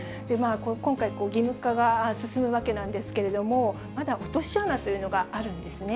今回、義務化が進むわけなんですけれども、まだ落とし穴というのがあるんですね。